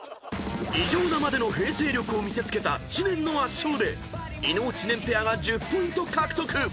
［異常なまでの平静力を見せつけた知念の圧勝で伊野尾・知念ペアが１０ポイント獲得］